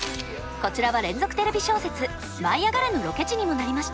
こちらは連続テレビ小説「舞いあがれ！」のロケ地にもなりました。